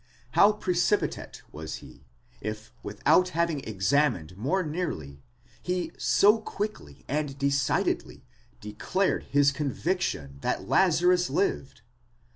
485 how precipitate was he, if without having examined more nearly, he so quickly and decidedly declared his conviction that Lazarus lived!